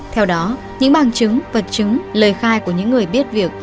theo đó những bằng chứng vật chứng lời khai của những người biết việc